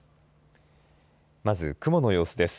まず雲の様子です。